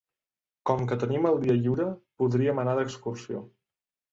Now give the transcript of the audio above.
Com que tenim el dia lliure podríem anar d'excursió.